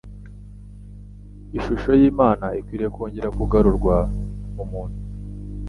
Ishusho y'Imana ikwiriye kongera kugarurwa mu muntu.